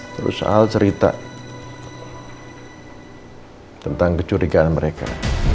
terus soal cerita tentang kecurigaan mereka